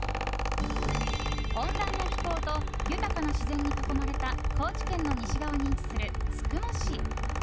温暖な気候と豊かな自然に囲まれた高知県の西側に位置する宿毛市。